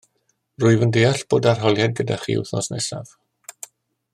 Rwyf yn deall bod arholiad gyda chi wythnos nesaf